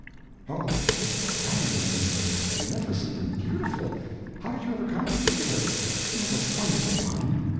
"O, it is grand and beneficent and beautiful. How did you ever come to think of it? You have a wonderful mind.